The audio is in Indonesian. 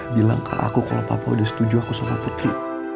bilang ke aku kalau papua udah setuju aku sama putri